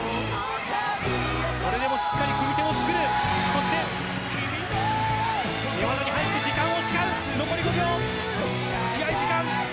それでもしっかり組み手をつくるそして寝技に入って時間を使う残り５秒試合時間